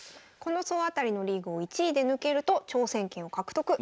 この総当たりのリーグを１位で抜けると挑戦権を獲得。